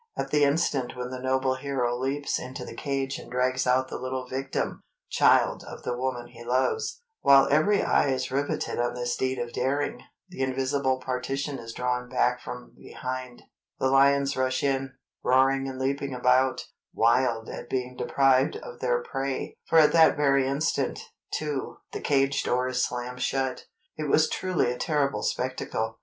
At the instant when the noble hero leaps into the cage and drags out the little victim—child of the woman he loves—while every eye is riveted on this deed of daring, the invisible partition is drawn back from behind, the lions rush in, roaring and leaping about, wild at being deprived of their prey, for at that very instant, too, the cage door is slammed shut. It was truly a terrible spectacle.